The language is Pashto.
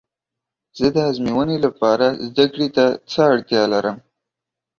زه د ازموینې لپاره زده کړې ته څه اړتیا لرم؟